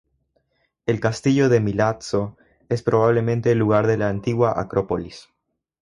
El castillo de Milazzo es probablemente el lugar de la antigua acrópolis.